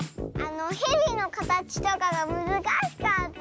ヘビのかたちとかがむずかしかった。